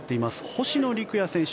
星野陸也選手